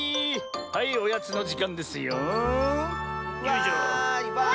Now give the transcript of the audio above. はいおやつのじかんですよ。わい！